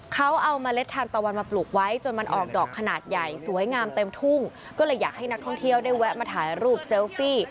เขาเอาเมล็ดทานตะวันมาปลูกไว้จนมันออกดอกขนาดใหญ่สวยงามเต็มทุ่งก็เลยอยากให้นักท่องเที่ยวได้แวะมาถ่ายรูปเซลฟี่